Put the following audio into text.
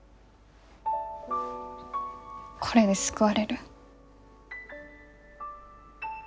これで救われる？